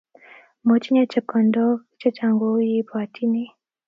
Motinye chepkondokc chechang kouye ibwatyini